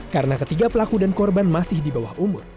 karena ketiga pelaku dan korban masih di bawah umur